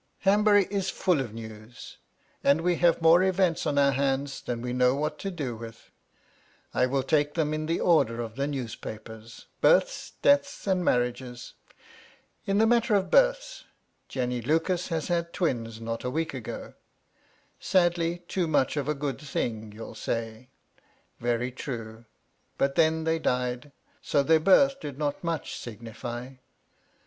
* Hanbury is full of news ; and we have more events on * our hands than we know what to do with. I will take ' them in the order of the newspapers — births, deaths, * and marriages. In the matter of births, Jenny Lucas * has had twins not a week ago. Sadly too much of a MY LADY LUDLOW. 335 * good thing, you'll say. Very true : but then they * died ; so their birth did not much signify.